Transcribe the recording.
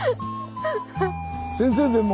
先生でも